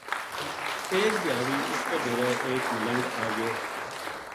ایک دھیاڑی اس کے ڈیرے ایک ملنگ آ گیو